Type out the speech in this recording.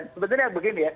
sebenarnya begini ya